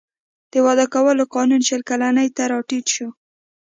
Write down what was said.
د واده کولو قانون شل کلنۍ ته راټیټ شو.